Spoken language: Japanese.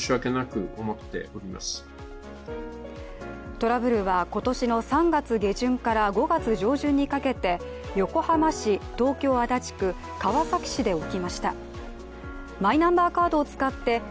トラブルは今年の３月下旬から５月上旬にかけて横浜市、東京・足立区、川崎市で起きました。